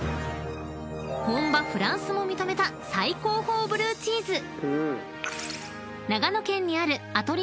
［本場フランスも認めた最高峰ブルーチーズ］